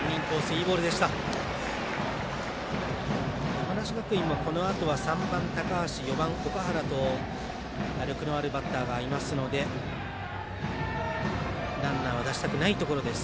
山梨学院もこのあとは３番高橋４番、岳原と打力のあるバッターがいますのでランナーは出したくないところです。